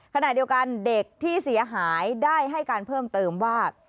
ขณะเดียวกันเด็กที่เสียหายได้ให้การเพิ่มเติมว่า